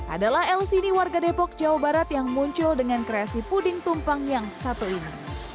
adalah el sini warga depok jawa barat yang muncul dengan kreasi puding tumpang yang satu ini